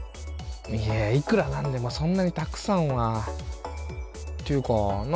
いやいくらなんでもそんなにたくさんは。っていうかな